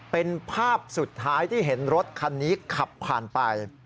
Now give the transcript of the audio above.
เป็นภาพสุดท้ายที่เห็นรถคันนี้ขับผ่านไป